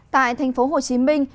tại thành phố hồ chí minh